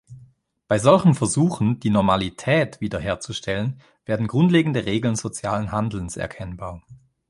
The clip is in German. Bei solchen Versuchen, die „Normalität“ wiederherzustellen, werden grundlegende Regeln sozialen Handelns erkennbar.